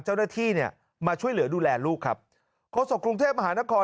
เจ้าหน้าที่เนี่ยมาช่วยเหลือดูแลลูกครับโฆษกรุงเทพมหานคร